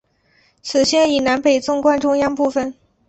此线以南北纵贯中央部分。